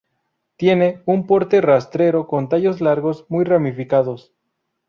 Tiene un porte rastrero con tallos largos muy ramificados.